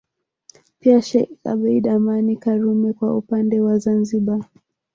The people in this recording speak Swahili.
Pia Sheikh Abeid Amani Karume kwa upande wa Zanzibari